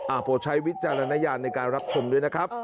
โปรดใช้วิจารณญาณในการรับชมด้วยนะครับ